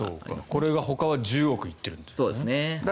これがほかは１０億行っているんだ。